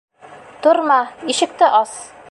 — Торма, ишекте ас!